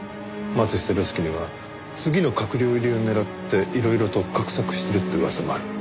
松下涼介には次の閣僚入りを狙っていろいろと画策してるって噂もある。